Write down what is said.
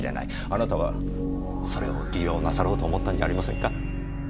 あなたはそれを利用なさろうと思ったんじゃありませんか？